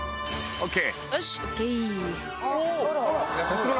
ＯＫ！